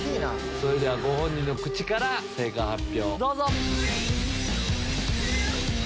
それではご本人の口から正解発表をどうぞ！